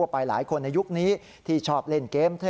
ไปหลายคนในยุคนี้ที่ชอบเล่นเกม